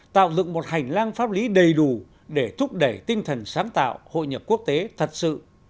tạo dựng một hành lang pháp lý đầy đủ để thúc đẩy tinh thần sáng tạo hội nhập quốc tế thật sự